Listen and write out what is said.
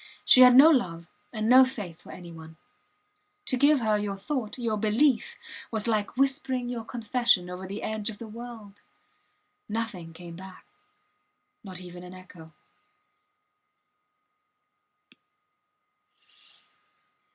She had no love and no faith for any one. To give her your thought, your belief, was like whispering your confession over the edge of the world. Nothing came back not even an echo.